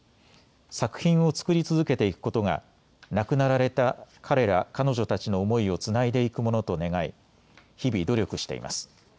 作品を作り続けていくことが亡くなられた彼ら彼女たちの思いをつないでいくものと願い日々努力しています。